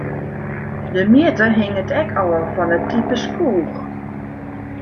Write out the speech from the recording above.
De mjitte hinget ek ôf fan it type skoech.